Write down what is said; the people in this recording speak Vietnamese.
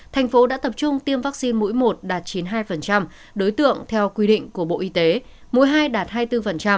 thành phố đã tập trung tiêm vaccine mũi một đạt chín mươi hai đối tượng theo quy định của bộ y tế mũi hai đạt hai mươi bốn